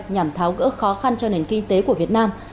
nhằm tháo gỡ khó khăn cho nền kinh tế của việt nam